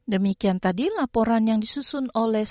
demikian tadi laporan yang disusun oleh